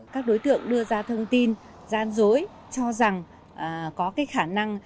các đối tượng đưa ra thông tin gian dối cho rằng có khả năng